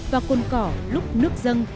và cồn cỏ lúc nước dân